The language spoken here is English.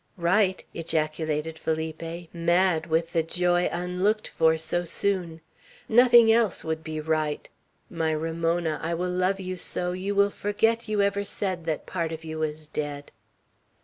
"Right!" ejaculated Felipe, mad with the joy unlooked for so soon. "Nothing else would be right! My Ramona, I will love you so, you will forget you ever said that part of you was dead!"